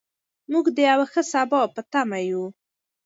موږ د یو ښه سبا په تمه یو.